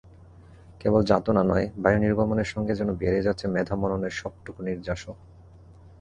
কেবল যাতনা নয়, বায়ু নির্গমনের সঙ্গে যেন বেরিয়ে যাচ্ছে মেধা-মননের সবটুকু নির্যাসও।